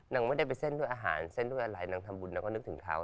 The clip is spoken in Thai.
นางไม่ได้ไปเส้นด้วยอาหารเส้นด้วยอะไรนางทำบุญนางก็นึกถึงเขา